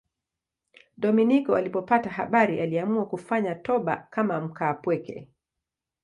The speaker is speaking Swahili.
Dominiko alipopata habari aliamua kufanya toba kama mkaapweke.